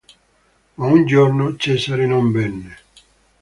Ma un giorno Cesare non venne.